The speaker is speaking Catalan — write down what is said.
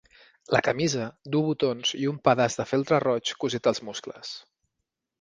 La camisa duu botons i un pedaç de feltre roig cosit als muscles.